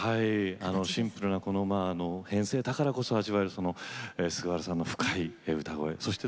シンプルな編成だからこそ味わえる菅原さんの深い歌声。